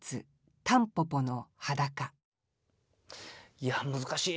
いや難しい。